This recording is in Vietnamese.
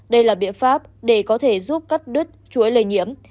đây là biện pháp để có thể giúp cắt đứt chuỗi lây nhiễm